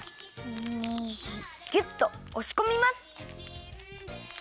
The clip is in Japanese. ぎゅっとおしこみます！